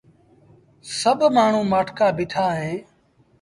سڀ مآڻهوٚٚݩ مآٺڪآ بيٚٺآ اهيݩ